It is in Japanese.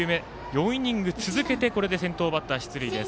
４イニング続けてこれで先頭バッター出塁です。